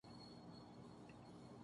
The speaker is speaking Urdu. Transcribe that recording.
کوٹ ادو شہر ہے